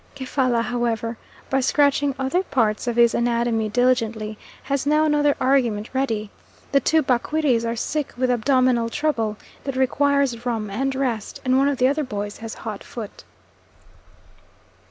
Kefalla, however, by scratching other parts of his anatomy diligently, has now another argument ready, the two Bakwiris are sick with abdominal trouble, that requires rum and rest, and one of the other boys has hot foot.